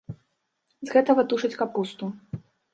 З гэтага тушаць капусту.